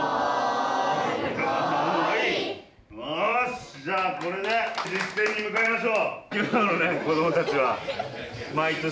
よし、じゃあ、これで実践に向かいましょう。